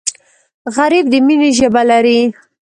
غریب د مینې ژبه لري